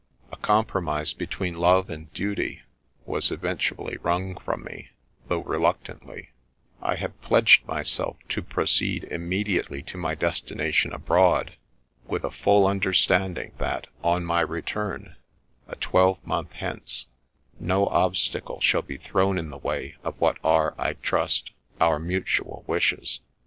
A com promise between love and duty was eventually wrung from me, though reluctantly ; I have pledged myself to proceed immedi ately to my destination abroad, with a full understanding that on my return, a twelvemonth hence, no obstacle shall be thrown in the way of what are, I trust, our mutual wishes.'